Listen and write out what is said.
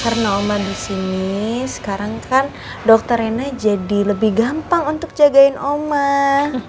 karena omah disini sekarang kan dokter rina jadi lebih gampang untuk jagain omah